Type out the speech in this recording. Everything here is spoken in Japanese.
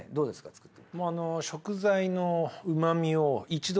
作って。